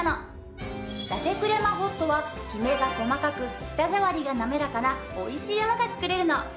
ラテクレマホットはきめが細かく舌触りがなめらかな美味しい泡が作れるの。